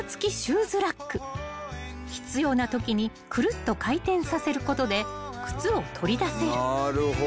［必要なときにくるっと回転させることで靴を取り出せる］